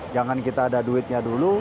jangan kita ada duitnya dulu